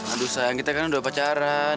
aduh sayang kita kan udah pacaran